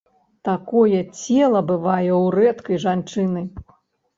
Такое цела бывае ў рэдкай жанчыны.